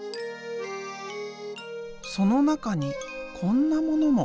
その中にこんなものも。